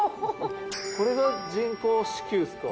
これが人工子宮っすか？